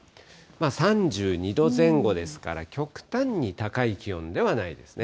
３２度前後ですから、極端に高い気温ではないですね。